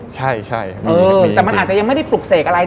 ใช่แต่มันอาจจะยังไม่ได้ปลุกเสกอะไร